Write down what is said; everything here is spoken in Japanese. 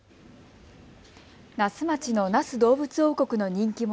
那須町の那須どうぶつ王国の人気者。